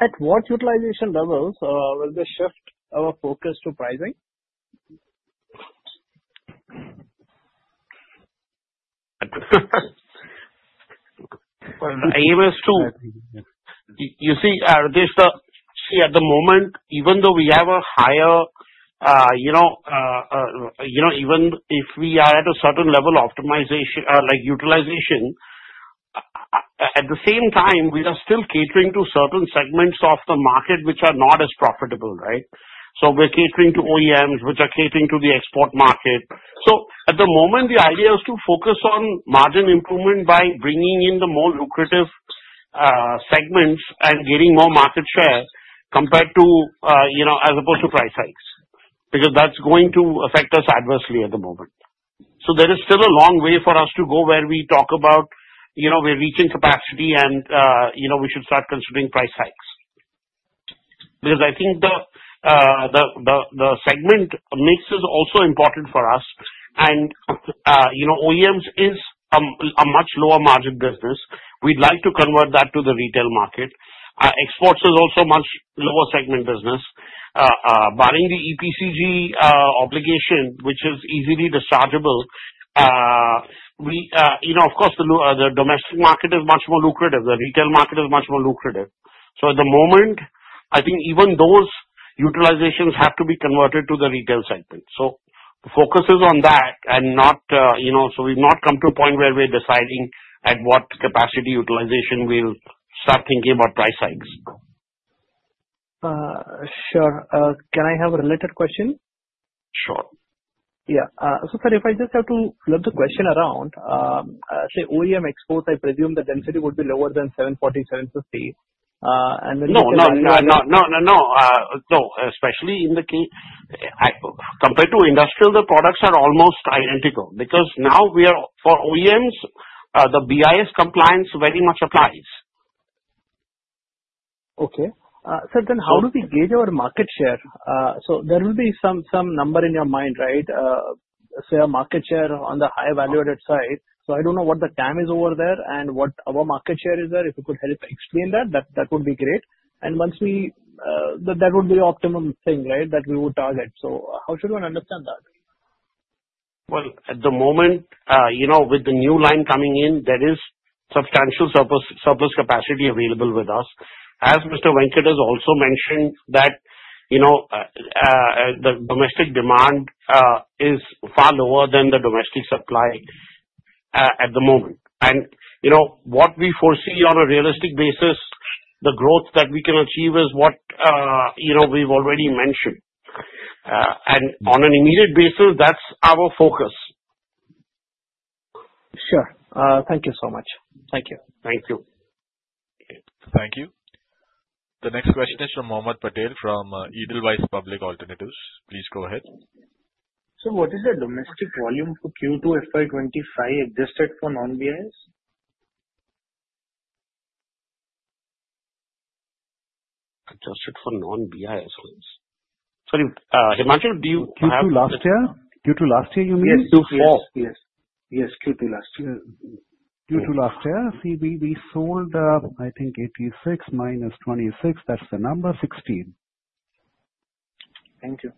T: At what utilization levels will they shift our focus to pricing?
C: You see, Ritesh, at the moment, even though we have a higher even if we are at a certain level of capacity utilization, at the same time, we are still catering to certain segments of the market which are not as profitable, right? So we're catering to OEMs which are catering to the export market. So at the moment, the idea is to focus on margin improvement by bringing in the more lucrative segments and getting more market share compared to, as opposed to price hikes, because that's going to affect us adversely at the moment. So there is still a long way for us to go where we talk about we're reaching capacity and we should start considering price hikes because I think the segment mix is also important for us. OEMs is a much lower margin business. We'd like to convert that to the retail market. Exports is also a much lower segment business. Barring the EPCG obligation, which is easily dischargeable, of course, the domestic market is much more lucrative. The retail market is much more lucrative. So at the moment, I think even those utilizations have to be converted to the retail segment. So the focus is on that and not, so we've not come to a point where we're deciding at what capacity utilization we'll start thinking about price hikes.
T: Sure. Can I have a related question?
C: Sure.
T: Yeah. So, sir, if I just have to flip the question around, say OEM exports, I presume the density would be lower than 740, 750, and then you-
C: No, no, no, no, no, no, no. Especially in the compared to industrial, the products are almost identical because now we are for OEMs, the BIS compliance very much applies.
T: Okay. So then how do we gauge our market share? So there will be some number in your mind, right? So our market share on the high-valued side. So I don't know what the size is over there and what our market share is there. If you could help explain that, that would be the optimum thing, right, that we would target. So how should one understand that?
C: At the moment, with the new line coming in, there is substantial surplus capacity available with us. As Mr. Venkatramani also mentioned, that the domestic demand is far lower than the domestic supply at the moment. What we foresee on a realistic basis, the growth that we can achieve is what we've already mentioned. On an immediate basis, that's our focus.
T: Sure. Thank you so much. Thank you.
C: Thank you.
A: Thank you. The next question is from Mohammed Patel from Edelweiss Public Alternatives. Please go ahead.
U: So what is the domestic volume for Q2 FY25 adjusted for non-BIS?
C: Adjusted for non-BIS, please. Sorry. Himanshu, do you have? Q2 last year? Q2 last year, you mean?
U: Yes. Q2 last year.
D: Yes. Yes. Q2 last year. Q2 last year, we sold, I think, 86 minus 26. That's the number 16.
U: Thank you.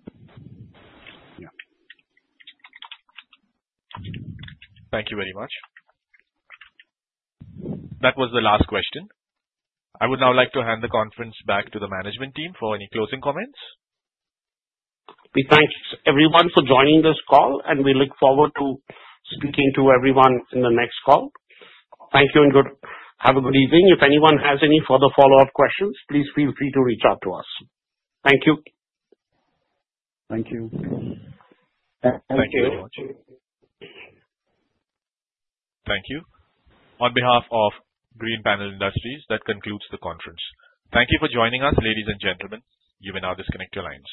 D: Yeah.
A: Thank you very much. That was the last question. I would now like to hand the conference back to the management team for any closing comments.
C: We thank everyone for joining this call, and we look forward to speaking to everyone in the next call. Thank you and have a good evening. If anyone has any further follow-up questions, please feel free to reach out to us. Thank you.
D: Thank you.
G: Thank you. On behalf of Greenpanel Industries, that concludes the conference. Thank you for joining us, ladies and gentlemen. You may now disconnect your lines.